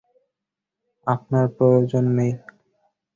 আপনার প্রয়োজন নেই।